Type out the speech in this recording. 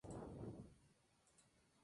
Sólo hay una vía.